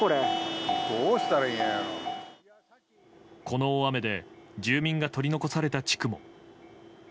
この大雨で住民が取り残された地区も。